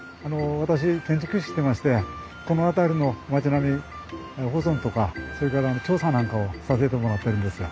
私建築士してましてこの辺りの町並み保存とかそれから調査なんかをさせてもらってるんですよ。